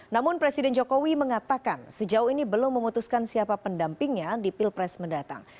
namun presiden jokowi mengatakan sejauh ini belum memutuskan siapa pendampingnya di pilpres mendatang